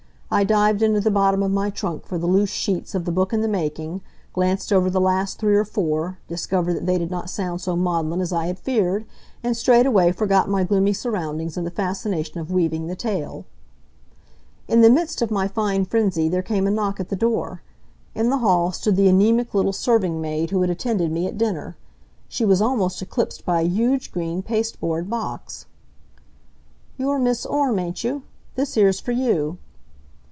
I dived into the bottom of my trunk for the loose sheets of the book in the making, glanced over the last three or four, discovered that they did not sound so maudlin as I had feared, and straightway forgot my gloomy surroundings in the fascination of weaving the tale. In the midst of my fine frenzy there came a knock at the door. In the hall stood the anemic little serving maid who had attended me at dinner. She was almost eclipsed by a huge green pasteboard box. "You're Mis' Orme, ain't you? This here's for you."